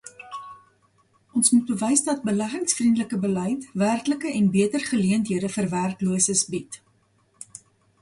Ons moet wys dat beleggingsvriendelike beleid werklike en beter geleenthede vir werkloses bied.